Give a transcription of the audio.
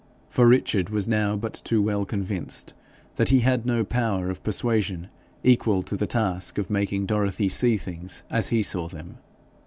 For Richard was now but too well convinced that he had no power of persuasion equal to the task of making Dorothy see things as he saw them.